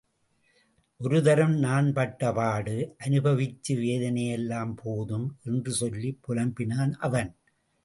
ஒரு தரம் நான் பட்டபாடு, அனுபவிச்ச வேதனையெல்லாம் போதும்! என்று சொல்லிப் புலம்பினான் அவன்.